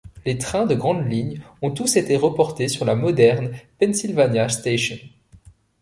Les trains de grandes lignes ont tous été reportés sur la moderne Pennsylvania Station.